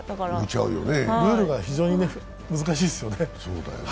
ルールが非常に難しいですよね。